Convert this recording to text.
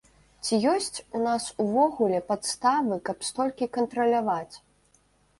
Ці ёсць у нас увогуле падставы, каб столькі кантраляваць?